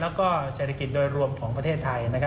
แล้วก็เศรษฐกิจโดยรวมของประเทศไทย